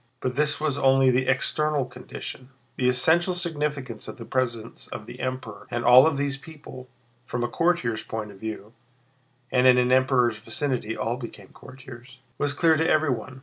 But this was only the external condition; the essential significance of the presence of the Emperor and of all these people, from a courtier's point of view (and in an Emperor's vicinity all became courtiers), was clear to everyone.